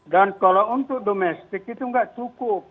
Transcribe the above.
dan kalau untuk domestik itu enggak cukup